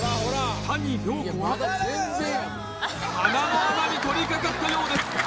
谷亮子は鼻の穴に取りかかったようです